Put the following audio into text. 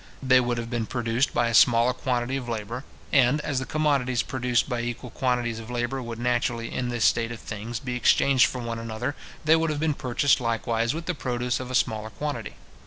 They would have been produced by a smaller quantity of labour; and as the commodities produced by equal quantities of labour would naturally in this state of things be exchanged for one another, they would have been purchased likewise with the produce of a smaller quantity.